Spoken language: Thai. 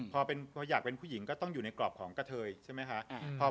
พออยากเป็นผู้หญิงก็ต้องอยู่ในกรอบของกะเทยใช่ไหมคะ